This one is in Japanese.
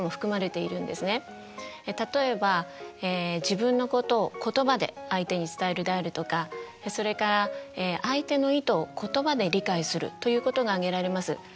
例えば自分のことを言葉で相手に伝えるであるとかそれから相手の意図を言葉で理解するということが挙げられます。